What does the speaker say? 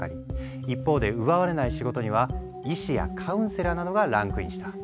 一方で奪われない仕事には医師やカウンセラーなどがランクインした。